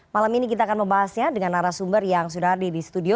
malam ini kita akan membahasnya dengan arah sumber yang sudah hadir di studio